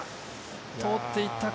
通って行ったか。